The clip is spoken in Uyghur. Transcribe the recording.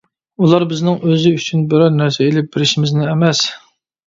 ئۇلا بىزنىڭ ئۆزى ئۈچۈن بىرەر نەرسە ئىلىپ بېرىشىمىزنى ئەمەس.